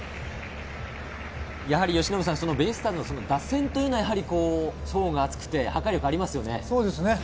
由伸さん、ベイスターズの打線は層が厚くて破壊力がありますね。